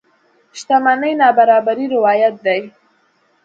شتمنۍ نابرابرۍ روايت دي.